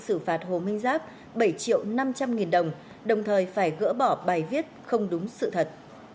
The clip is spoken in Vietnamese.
xử phạt hồ minh giáp bảy triệu năm trăm linh nghìn đồng đồng thời phải gỡ bỏ bài viết không đúng sự thật